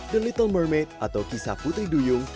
the little mermaid atau kisah putri duyung